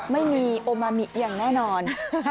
ไม่มีโอมามิอย่างแน่นอน